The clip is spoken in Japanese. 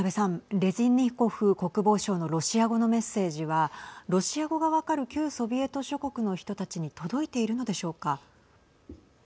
レズニコフ国防相のロシア語のメッセージはロシア語が分かる旧ソビエト諸国の人たちに届いているのでしょうか。